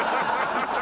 ハハハハ！